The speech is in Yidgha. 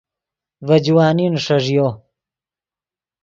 ڤے جوانی نیݰݱیو